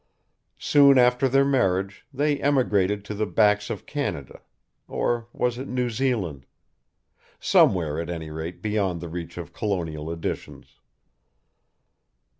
Soon after their marriage they emigrated to the backs of Canada, or was it New Zealand: somewhere at any rate beyond the reach of colonial editions.